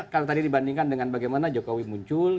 kalau tadi dibandingkan dengan bagaimana jokowi muncul